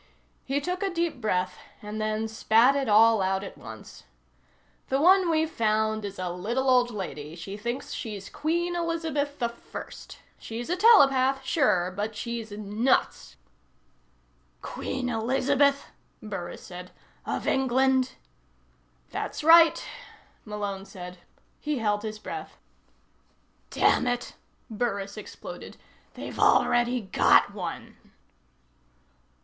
He took a deep breath, and then spat it all out at once: "The one we've found is a little old lady. She thinks she's Queen Elizabeth I. She's a telepath, sure, but she's nuts." "Queen Elizabeth?" Burris said. "Of England?" "That's right," Malone said. He held his breath. "Damn it," Burris exploded, "they've already got one!"